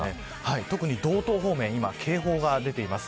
特に道東方面今、警報が出ています。